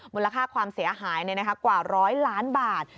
มูลค่าความเสียหายกว่า๑๐๐ล้านบาท